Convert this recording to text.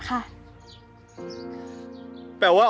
ออกไปเลย